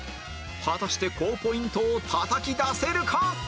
果たして高ポイントをたたき出せるか？